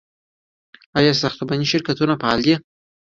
آیا ساختماني شرکتونه فعال دي؟